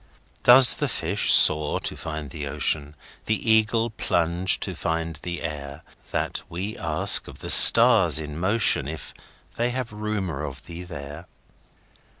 Does the fish soar to find the ocean, The eagle plunge to find the air—That we ask of the stars in motionIf they have rumour of thee there?